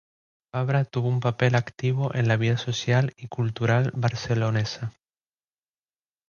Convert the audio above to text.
Fabra tuvo un papel activo en la vida social y cultural barcelonesa.